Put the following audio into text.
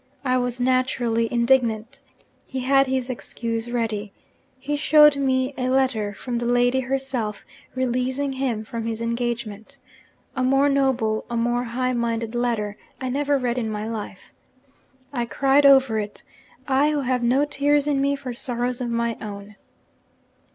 I was naturally indignant. He had his excuse ready; he showed me a letter from the lady herself, releasing him from his engagement. A more noble, a more high minded letter, I never read in my life. I cried over it I who have no tears in me for sorrows of my own!